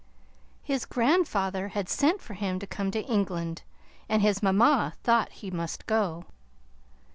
His grandfather had sent for him to come to England, and his mamma thought he must go.